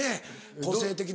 個性的な。